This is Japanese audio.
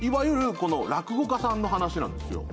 落語家さんの話なんですよ。